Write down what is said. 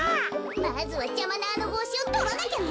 まずはじゃまなあのぼうしをとらなきゃね。